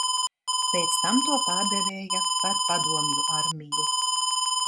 Pēc tam to pārdēvēja par Padomju armiju.